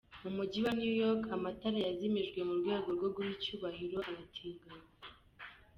Mu mujyi wa New York, amatara yazimijwe mu rwego rwo guha icyubahiro abatinganyi.